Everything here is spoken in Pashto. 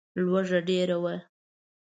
لوږه ډېره وه.